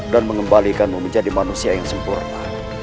dan mengembalikanmu menjadi manusia yang sempurna